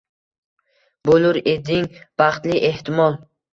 Bo’lur eding baxtli, ehtimol.